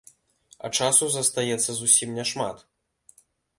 А часу застаецца зусім няшмат.